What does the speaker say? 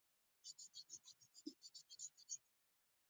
یاد قوم مخکې له دې چې اهلي کولو ته مخه کړي.